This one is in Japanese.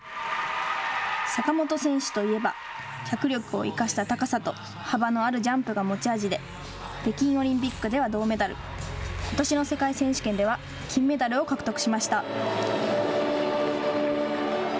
坂本選手といえば脚力を生かした高さと幅のあるジャンプが持ち味で北京オリンピックでは銅メダルことしの世界選手権では金メダルを獲得しました。